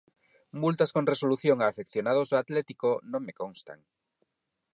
Multas con resolución a afeccionados do Atlético non me constan.